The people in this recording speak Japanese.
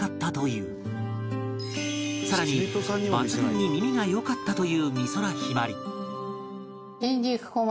さらに抜群に耳が良かったという美空ひばり